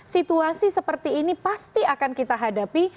situasi seperti ini pasti akan kita hadapi